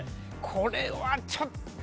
これはちょっと。